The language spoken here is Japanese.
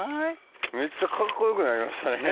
めっちゃカッコよくなりましたね。